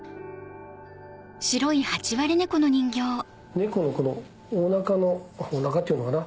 猫のおなかのおなかっていうのかな？